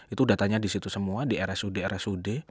itu datanya disitu semua di rsud rsud